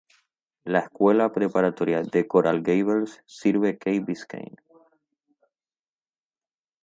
La Escuela Preparatoria de Coral Gables sirve Key Biscayne.